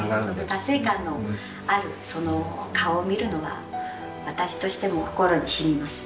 達成感のあるその顔を見るのが私としても心に染みます。